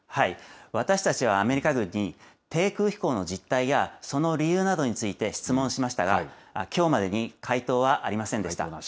私たちはアメリカ軍に、低空飛行の実態やその理由などについて質問しましたが、きょうまでに回答はありませんでした。